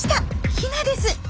ヒナです！